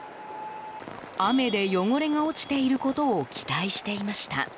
雨で汚れが落ちていることを期待していました。